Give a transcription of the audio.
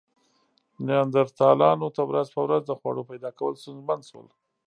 نیاندرتالانو ته ورځ په ورځ د خوړو پیدا کول ستونزمن شول.